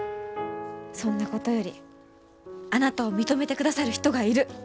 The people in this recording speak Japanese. そんなことよりあなたを認めてくださる人がいる。